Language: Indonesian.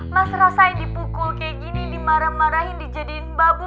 mas rasain dipukul kayak gini dimarah marahin dijadiin babu